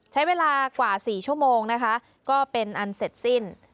ใช้เวลากว่า๔ชั่วโมงนะคะก็เป็นอันเสร็จสิ้น